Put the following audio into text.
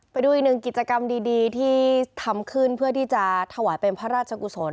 ไปดูอีกหนึ่งกิจกรรมดีที่ทำขึ้นเพื่อที่จะถวายเป็นพระราชกุศล